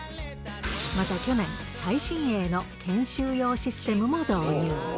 また去年、最新鋭の研修用システムも導入。